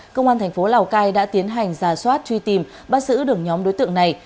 công an thành phố lào cai đã tiến hành giả soát truy tìm bắt giữ đường nhóm đối tượng này